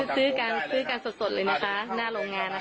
ซื้อกันซื้อกันสดเลยนะคะหน้าโรงงานนะคะ